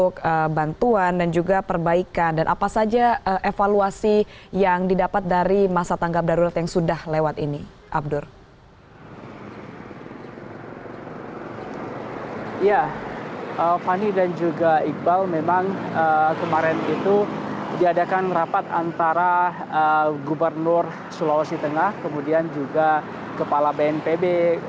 kemudian juga kepala bnpb